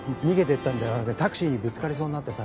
それでタクシーにぶつかりそうになってさ。